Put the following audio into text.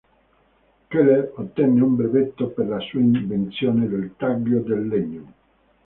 Keller ottenne un brevetto per la sua invenzione del taglio del legno.